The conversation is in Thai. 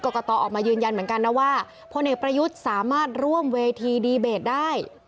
กตออกมายืนยันเหมือนกันนะว่าพลเอกประยุทธ์สามารถร่วมเวทีดีเบตได้